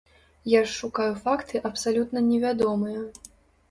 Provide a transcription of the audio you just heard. Я ж шукаю факты абсалютна невядомыя.